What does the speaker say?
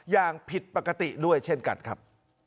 อย่างผิดปกติด้วยเช่นกันครับ